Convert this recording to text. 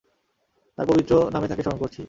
তার পবিত্র নামে তাকে স্মরণ করছি!